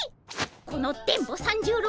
この電ボ三十郎